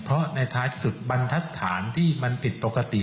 เพราะในท้ายที่สุดบรรทัศน์ที่มันผิดปกติ